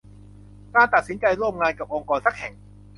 การตัดสินใจร่วมงานกับองค์กรสักแห่ง